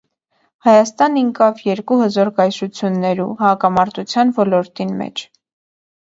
Հայաստան ինկաւ երկու հզօր կայսրութիւններու հակամարտութեան ոլորտին մէջ։